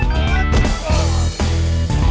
kau harus hafal penuh ya